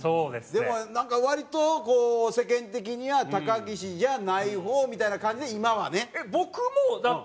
でもなんか割と世間的には高岸じゃない方みたいな感じで今はね。